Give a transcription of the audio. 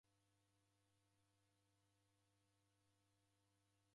Odeloswa ndodo